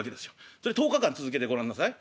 それ１０日間続けてごらんなさい。